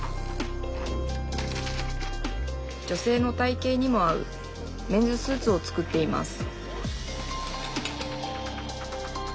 女性の体形にも合うメンズスーツを作っています